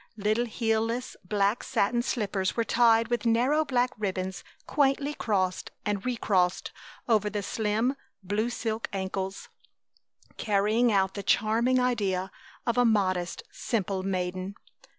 Little heelless black satin slippers were tied with narrow black ribbons quaintly crossed and recrossed over the slim, blue silk ankles, carrying out the charming idea of a modest, simple maiden.